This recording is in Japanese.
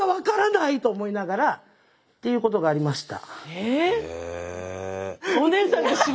っていうことがありました。